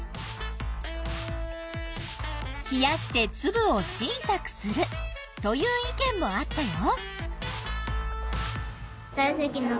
冷やしてつぶを小さくするという意見もあったよ。